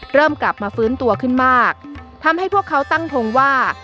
เริ่มกลับมาฟื้นตัวขึ้นมากทำให้พวกเขาตั้งทงว่า